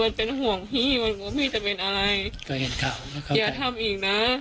มันเป็นห่วงพี่มันกลัวพี่จะเป็นอะไรเกิดเห็นข่าวอย่าทำอีกน่ะ